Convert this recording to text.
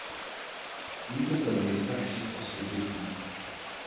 Quido byl nejstarší z osmi dětí.